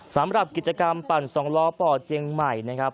สำหรับกิจกรรมปั่นสองล้อป่อเจียงใหม่นะครับ